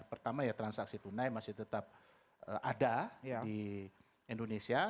pertama ya transaksi tunai masih tetap ada di indonesia